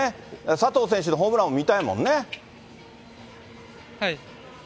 佐藤選手のホームランも見たいもはい。